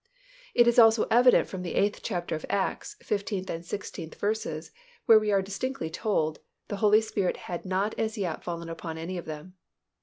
It is also evident from the eighth chapter of Acts, fifteenth and sixteenth verses, where we are distinctly told, "the Holy Spirit had not as yet fallen upon any of them."